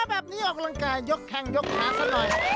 แบบนี้ออกกำลังกายยกแข้งยกขาซะหน่อย